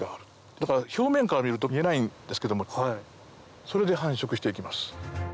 だから表面から見ると見えないんですけれどもそれで繁殖して行きます。